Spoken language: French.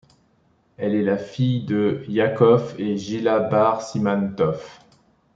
Elle est la fille de Yaacov et Gila Bar Siman Tov.